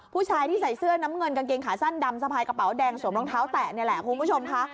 ผู้ชายที่ใส่เสื้อน้ำเงินกางเกงขาสั้นดำสะพายกระเป๋าแดงสวมรองเท้าแตะนี่แหละคุณผู้ชมค่ะ